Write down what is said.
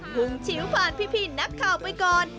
วงชิวผ่านพี่นักข่าวไปก่อน